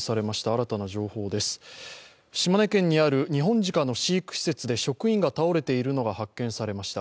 新たな情報です、島根県にあるニホンジカの飼育施設で職員が倒れているのが発見されました。